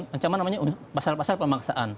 ancaman namanya pasal pasal pemaksaan